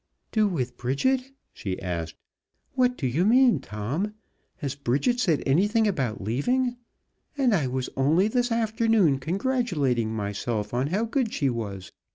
"Do with Bridget?" she asked. "What do you mean, Tom? Has Bridget said anything about leaving? And I was only this afternoon congratulating myself on how good she was!